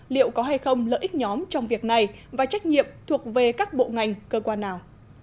liệu có hay không lợi ích nhóm trong việc này và trách nhiệm thuộc về các bộ ngành cơ quan nào